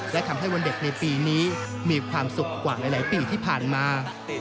และทำให้วันเด็กในปีนี้มีความสุขกว่าหลายปีที่ผ่านมา